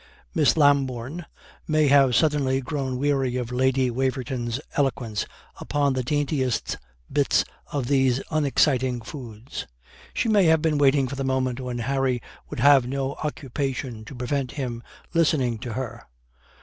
Miss Lambourne may have suddenly grown weary of Lady Waverton's eloquence upon the daintiest bits of these unexciting foods. She may have been waiting for the moment when Harry would have no occupation to prevent him listening to her.